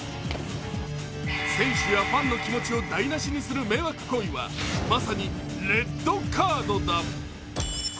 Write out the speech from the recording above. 選手やファンの気持ちを台なしにする迷惑行為はまさにレッドカードだ。